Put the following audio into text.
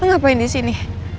lo ngapain disini